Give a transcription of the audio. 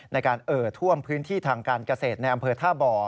ในการเอ่อท่วมพื้นที่ทางการเกษตรในอำเภอท่าบ่อ